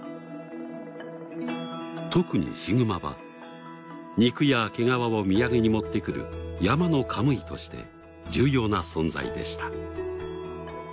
特にヒグマは肉や毛皮を土産に持ってくる山のカムイとして重要な存在でした。